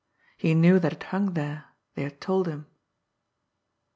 He knew that it hung there ; they had told him.